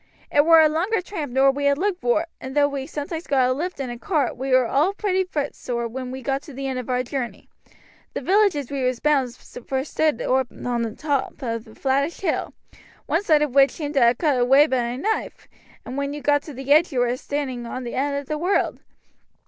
"It war a longer tramp nor we had looked vor, and though we sometoimes got a lift i' a cart we was all pretty footsore when we got to the end of our journey. The village as we was bound for stood oop on t' top of a flattish hill, one side of which seemed to ha' been cut away by a knife, and when you got to the edge there you were a standing at the end o' the world.